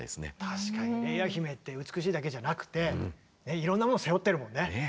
確かにレイア姫って美しいだけじゃなくていろんなものを背負ってるもんね。